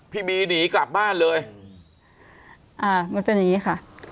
บีหนีกลับบ้านเลยอ่ามันเป็นอย่างงี้ค่ะ